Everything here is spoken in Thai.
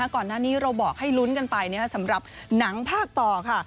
ก่อนหน้านี้เราบอกให้ลุ้นกันไปสำหรับหนังภาคต่อค่ะ